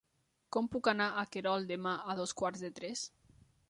Com puc anar a Querol demà a dos quarts de tres?